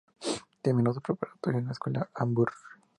Terminó su preparatoria en la escuela Auburn.